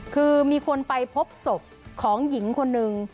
คือมีคนไปพบศพของหญิงคนหนึ่ง